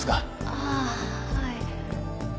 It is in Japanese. ああはい。